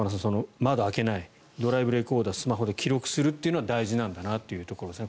窓を開けないドライブレコーダーとスマホで記録するというのは大事なんだということですね。